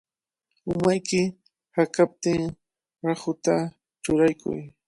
Umayki hakaptin rahuta churakuy.